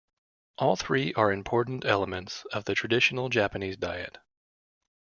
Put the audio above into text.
All three are important elements of the traditional Japanese diet.